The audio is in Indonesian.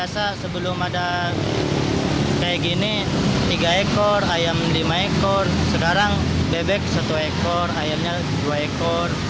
biasa sebelum ada kayak gini tiga ekor ayam lima ekor sekarang bebek satu ekor ayamnya dua ekor